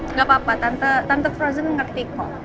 nggak apa apa tante frozen ngerti kok